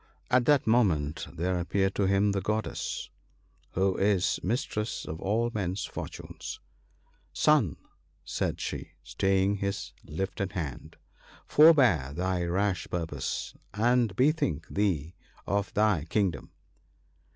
At that moment there appeared to him the Goddess, who is Mis tress of all men's fortunes. ' Son/ said she, staying his lifted hand, ' forbear thy rash purpose, and bethink thee of thy kingdom.'